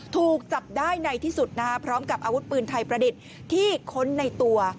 ถูกจับได้ในที่สุดนะฮะพร้อมกับอาวุธปืนไทยประดิษฐ์ที่ค้นในตัว